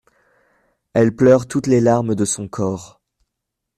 elle pleure toutes les larmes de son corps